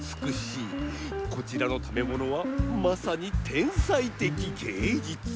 こちらの食べものはまさに天才てきげいじゅつ！